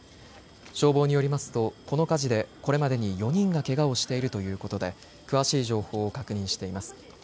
消防によりますとこの火事でこれまでに４人がけがをしているということで詳しい情報を確認しています。